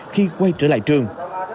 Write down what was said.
khi quay trở lại trường